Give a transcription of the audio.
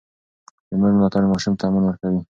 د مور ملاتړ ماشوم ته امن ورکوي.